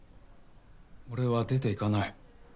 俺は出て行かない。